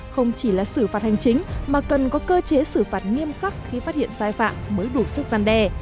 không chỉ là xử phạt hành chính mà cần có cơ chế xử phạt nghiêm khắc khi phát hiện sai phạm mới đủ sức gian đe